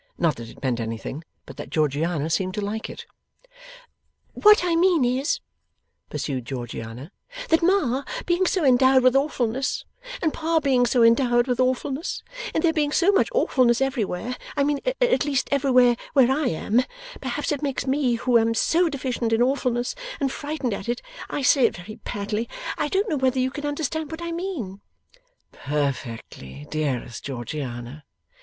Not that it meant anything, but that Georgiana seemed to like it. 'What I mean is,' pursued Georgiana, 'that Ma being so endowed with awfulness, and Pa being so endowed with awfulness, and there being so much awfulness everywhere I mean, at least, everywhere where I am perhaps it makes me who am so deficient in awfulness, and frightened at it I say it very badly I don't know whether you can understand what I mean?' 'Perfectly, dearest Georgiana!